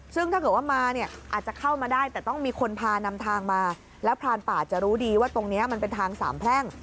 ซึ่งถ้าเกิดว่ามาเนี่ยอาจจะเข้ามาได้แต่ต้องมีคนพานำทางมาแล้วพรานป่าจะรู้ดีว่าตรงนี้มันเป็นทางสามแพร่ง